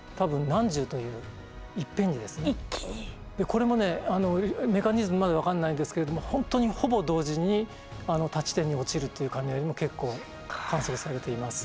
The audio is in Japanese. これもねメカニズムまだ分かんないんですけれども本当にほぼ同時に多地点に落ちるという雷も結構観測されています。